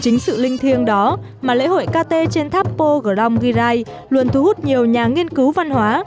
chính sự linh thiêng đó mà lễ hội kt trên tháp pô cửa long ghi rai luôn thu hút nhiều nhà nghiên cứu văn hóa